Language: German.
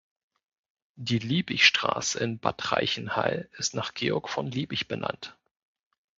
Die Liebigstraße in Bad Reichenhall ist nach Georg von Liebig benannt.